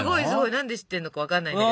何で知ってるのか分かんないんだけど。